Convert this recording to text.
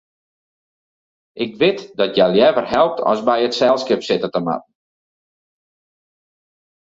Ik wit dat hja leaver helpt as by it selskip sitte te moatten.